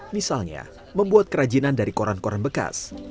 misalnya membuat kerajinan dari koran koran bekas